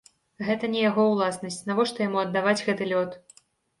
Гэта не яго ўласнасць, навошта яму аддаваць гэты лёд?